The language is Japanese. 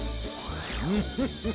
フフフッ。